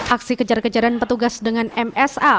aksi kejar kejaran petugas dengan msa